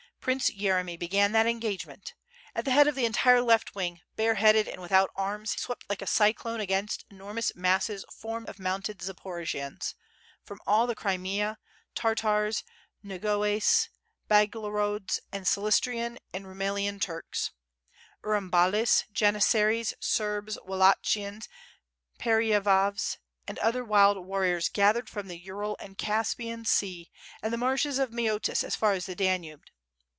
Prince Yeremy began that engagement. At the head of the entire left wing, bareheaded and without arms, he swept like a cyclone against enormous masses formed of mounted Zaporojians, from all the Crimea, Tartars, Nogoais, Byalogorods and Silistrian and Rumelian Turks, Urumbalis, janissaries, Serbs, Wallachians, Peryerovs, and other wild warriors gathered from the Ural the Caspian Sea and the marshes of Moeotis as far as the Danube.